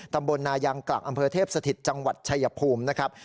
ตำบลนายางกลักอำเภอเทพสถิตจังหวัดชายภูมินะครับ